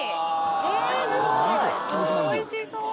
えすごいおいしそう。